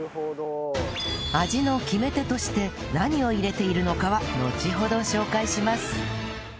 味の決め手として何を入れているのかはのちほど紹介します